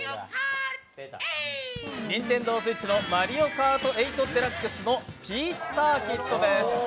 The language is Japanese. ＮｉｎｔｅｎｄｏＳｗｉｔｃｈの「マリオカート８デラックス」のピーチサーキットです。